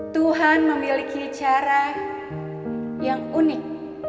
tuhan memiliki cara yang unik